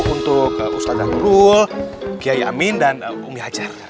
untuk ustaz jah nurul kiai amin dan umi hajar